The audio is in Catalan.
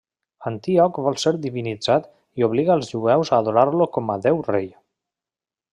Antíoc vol ser divinitzat i obliga els jueus a adorar-lo com a déu-rei.